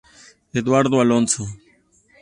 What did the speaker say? Eduardo Alonso.